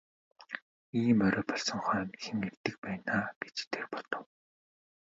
Ийм орой болсон хойно хэн ирдэг байна аа гэж тэр бодов.